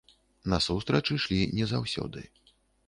Насустрач ішлі не заўсёды.